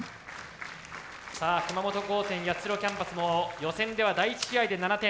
さあ熊本高専八代キャンパスも予選では第１試合で７点